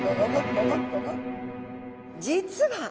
実は！